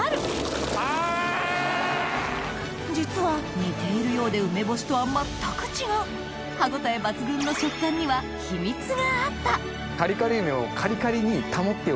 実は似ているようで梅干しとは全く違う歯応え抜群の食感には秘密があったカリカリ梅を。